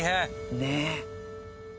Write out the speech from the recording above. ねえ。